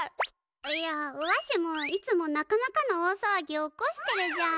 いやわしもいつもなかなかの大さわぎ起こしてるじゃん。